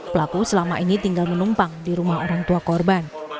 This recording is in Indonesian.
pelaku selama ini tinggal menumpang di rumah orang tua korban